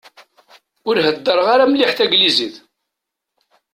Ur heddreɣ ara mliḥ Taglizit.